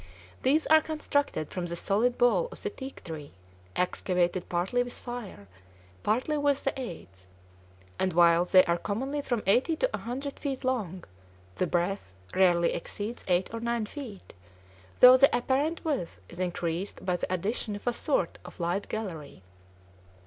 These are constructed from the solid bole of the teak tree, excavated partly with fire, partly with the adze; and, while they are commonly from eighty to a hundred feet long, the breadth rarely exceeds eight or nine feet, though the apparent width is increased by the addition of a sort of light gallery.